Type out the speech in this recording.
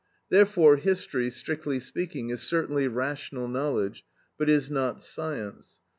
Therefore, history, strictly speaking, is certainly rational knowledge, but is not science.